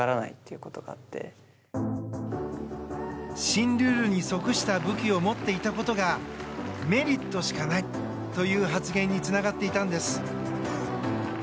新ルールに即した武器を持っていたことがメリットしかないという発言につながっていたんです。